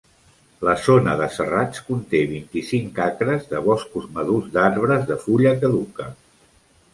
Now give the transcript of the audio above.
La zona de serrats conté vint-i-cinc acres de boscos madurs d'arbres de fulla caduca.